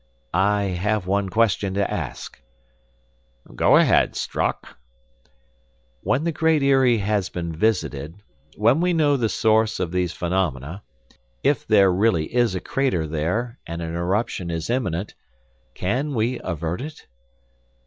"I have one question to ask." "Go ahead, Strock." "When the Great Eyrie has been visited, when we know the source of these phenomena, if there really is a crater there and an eruption is imminent, can we avert it?"